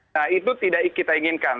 nah itu tidak kita inginkan